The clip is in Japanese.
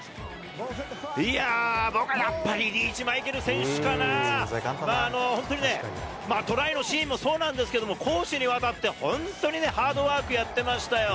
いやー、僕はやっぱりリーチマイケル選手かな、本当にね、トライのシーンもそうなんですけれども、攻守にわたって本当にね、ハードワークやってましたよ。